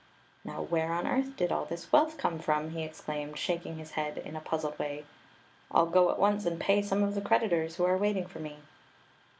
"Now, where on earth did all this wealth come H, ^^^^ K RWHAB^MI^* from?" he exclaimed, shaking his head in a puzzled way. ♦* ril go at once and pay some of the creditors who are waiting for me."